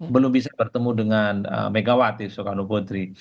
belum bisa bertemu dengan megawati soekarno putri